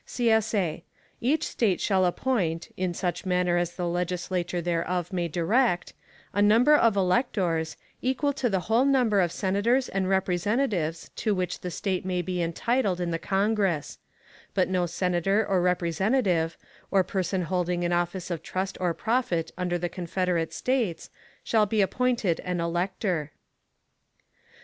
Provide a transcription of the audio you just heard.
[CSA] Each State shall appoint, in such manner as the Legislature thereof may direct, a number of electors, equal to the whole number of Senators and Representatives to which the State may be entitled in the Congress: but no Senator or Representative, or person holding an office of trust or profit under the Confederate States, shall be appointed an elector.